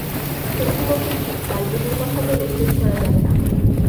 সত্যি বলতে কী, তাঁর গুণের কথা বলে শেষ করা যাবে না।